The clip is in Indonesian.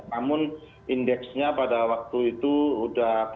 namun indeksnya pada waktu itu sudah